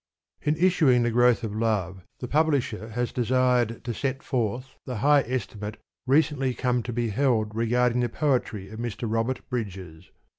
In issuing The Growth of Love the publisher has desired to set forth the high estimate recently come to be held regarding the poetry of Mr. Robert Bridges.